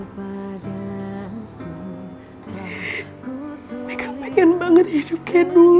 mereka pengen banget hidup kayak dulu